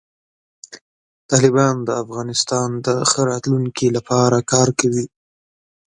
طالبان د افغانستان د ښه راتلونکي لپاره کار کوي.